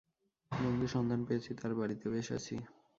বন্ধুর সন্ধান পেয়েছি, তাঁর বাড়ীতে বেশ আছি।